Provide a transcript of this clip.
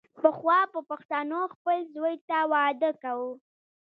پخوا به پښتنو خپل زوی ته واده کاوو.